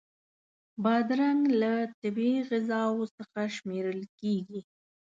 بادرنګ له طبعی غذاوو څخه شمېرل کېږي.